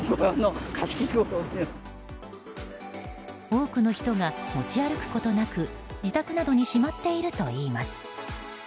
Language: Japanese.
多くの人が持ち歩くことなく自宅などにしまっているといいます。